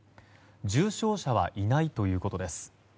重症者はいないということです。